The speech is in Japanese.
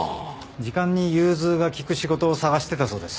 時間に融通が利く仕事を探してたそうです。